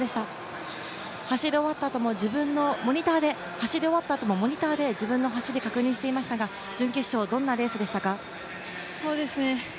走り終わったあともモニターで自分の走り確認していましたが準決勝、どんなレースでしたか？